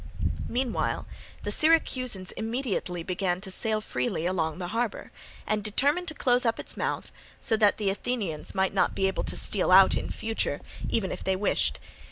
Meanwhile the Syracusans immediately began to sail freely along the harbour, and determined to close up its mouth, so that the Athenians might not be able to steal out in future, even if they wished.